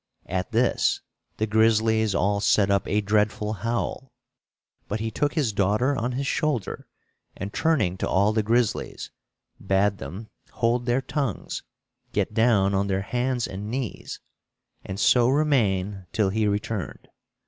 At this, the grizzlies all set up a dreadful howl; but he took his daughter on his shoulder and, turning to all the grizzlies, bade them hold their tongues, get down on their hands and knees and so remain till he returned.